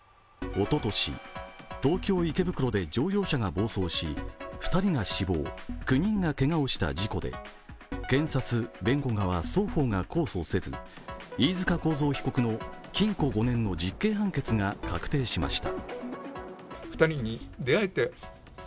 おととし、東京・池袋で乗用車が暴走し２人が死亡、９人がけがをした事故で検察、弁護側、双方が控訴せず飯塚幸三被告の禁錮５年の実刑判決が確定しました。